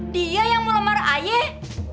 dia yang mau lemar ayah